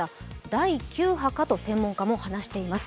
第９波かと専門家も話しています。